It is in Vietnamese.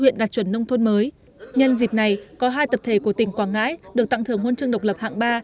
nhân dịp này có hai tập thể của tỉnh quảng ngãi được tặng thưởng huân chương độc lập hạng ba